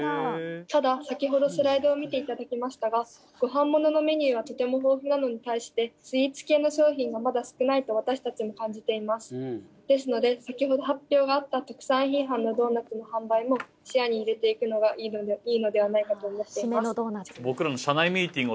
ただ先ほどスライドを見ていただきましたがご飯物のメニューはとても豊富なのに対してスイーツ系の商品がまだ少ないと私たちも感じていますですので先ほど発表があった特産品班のドーナツの販売も視野に入れていくのがいいのではないかと思っています。